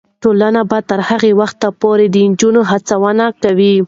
ټولنه به تر هغه وخته پورې د نجونو هڅونه کوي.